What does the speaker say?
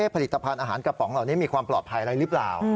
ผลิตภัณฑ์อาหารกระป๋องเหล่านี้มีความปลอดภัยอะไรหรือเปล่า